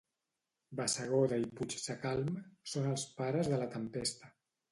Bassegoda i Puigsacalm són els pares de la tempesta.